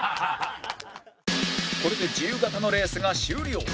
これで自由形のレースが終了